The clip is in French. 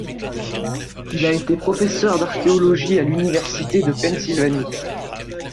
Il a été professeur d'archéologie à l'université de Pennsylvanie.